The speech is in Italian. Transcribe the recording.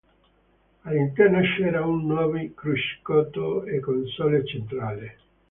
All'interno c'era un nuovi cruscotto e console centrale.